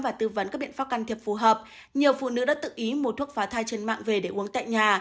và tư vấn các biện pháp can thiệp phù hợp nhiều phụ nữ đã tự ý mua thuốc phá thai trên mạng về để uống tại nhà